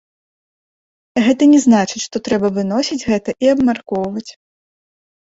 Гэта не значыць, што трэба выносіць гэта і абмяркоўваць.